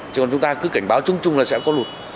chứ còn chúng ta cứ cảnh báo chung chung là sẽ có lụt